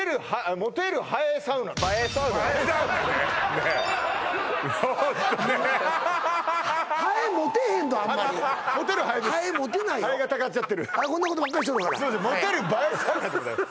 モテる映えサウナでございます